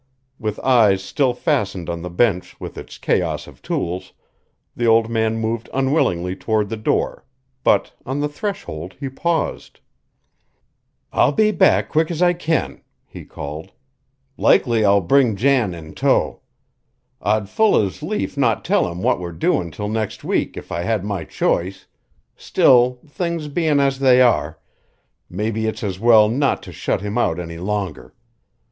With eyes still fastened on the bench with its chaos of tools, the old man moved unwillingly toward the door; but on the threshold he paused. "I'll be back quick's I can," he called. "Likely I'll bring Jan in tow. I'd full as lief not tell him what we're doin' 'til next week if I had my choice; still, things bein' as they are, mebbe it's as well not to shut him out any longer.